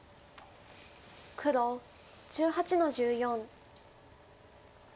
黒１８の十四。